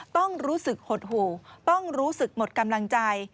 ต้องรู้สึกหดหู่ต้องรู้สึกหมดกำลังใจ